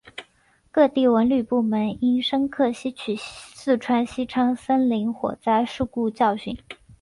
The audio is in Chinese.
各地文旅部门应深刻吸取四川西昌森林火灾事故教训